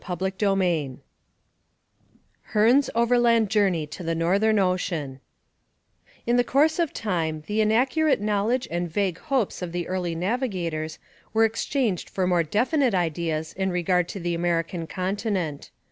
CHAPTER II HEARNE'S OVERLAND JOURNEY TO THE NORTHERN OCEAN In course of time the inaccurate knowledge and vague hopes of the early navigators were exchanged for more definite ideas in regard to the American continent.